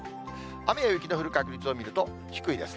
雨や雪の降る確率を見ると、低いですね。